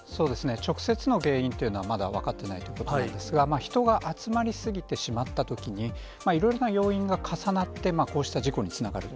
直接の原因っていうのは、まだ分かっていないところなんですが、人が集まり過ぎてしまったときに、いろいろな要因が重なって、こうした事故につながる。